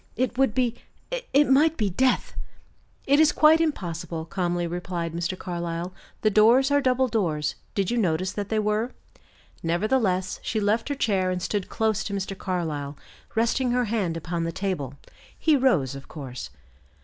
"It would be it might be death!" "It is quite impossible," calmly replied Mr. Carlyle. "The doors are double doors; did you notice that they were?" Nevertheless, she left her chair and stood close to Mr. Carlyle, resting her hand upon the table. He rose, of course.